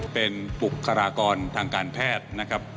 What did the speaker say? เป็นบุคลากรทางการแพทย์นะครับ